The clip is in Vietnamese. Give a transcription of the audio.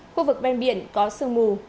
khu vực bên biển có sương mù